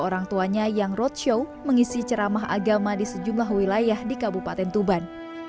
orang tuanya yang roadshow mengisi ceramah agama di sejumlah wilayah di kabupaten tuban